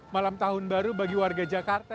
malam tahun baru bagi warga jakarta